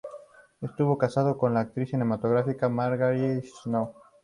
Estuvo casado con la actriz cinematográfica Marguerite Snow.